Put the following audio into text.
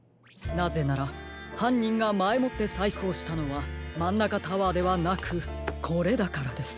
なぜならはんにんがまえもってさいくをしたのはマンナカタワーではなくこれだからです。